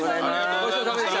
ごちそうさまでした。